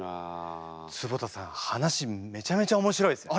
坪田さん話めちゃめちゃ面白いですね。